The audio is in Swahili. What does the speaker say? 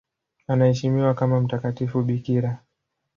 Anaheshimiwa kama mtakatifu bikira.